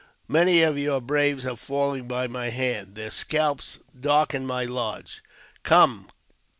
Many of your braves have fallen by my hand ; their scalps darken my lodge. Come